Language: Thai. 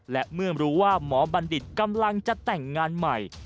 และเมื่อรู้ว่าหมอบัณฑิตกำลังจะแต่งงานใหม่